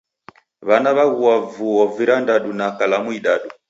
W'ana w'aghua vuo virandadu na kalamu idadu